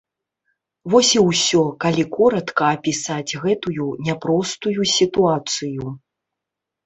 Вось і ўсё, калі коратка апісаць гэтую няпростую сітуацыю.